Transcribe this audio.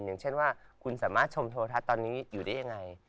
อย่างเช่นว่าคุณสามารถชมโทรทัศน์ตอนนี้อยู่ได้ยังไง